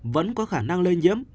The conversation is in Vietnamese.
vẫn có khả năng lây nhiễm